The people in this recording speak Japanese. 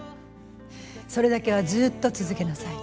それだけはずっと続けなさい。